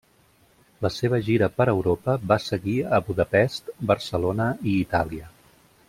La seva gira per Europa va seguir a Budapest, Barcelona i Itàlia.